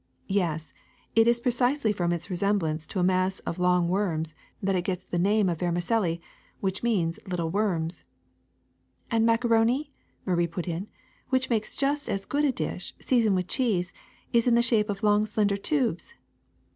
Yes, it is precisely from its resemblance to a mass of long worms that it gets its name of vermicelli, which means * little worms.' " ^^And macaroni," Marie put in, ^^ which makes just as good a dish, seasoned with cheese, is in the shape of long, slender tubes."